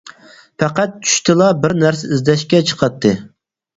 پەقەت چۈشتىلا بىر نەرسە ئىزدەشكە چىقاتتى.